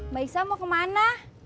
mbak isah mau ke mana